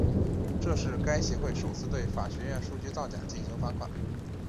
这是该协会首次对法学院数据造假进行罚款。